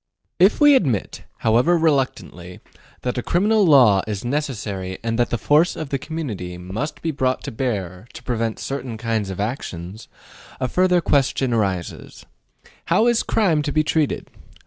If we admit, however reluctantly, that a criminal law is necessary and that the force of the community must be brought to bear to prevent certain kinds of actions, a further question arises: How is crime to be treated?